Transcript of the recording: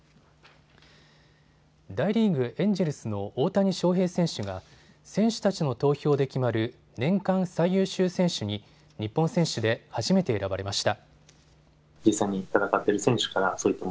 大リーグ、エンジェルスの大谷翔平選手が選手たちの投票で決まる年間最優秀選手に日本選手で初めて選ばれました。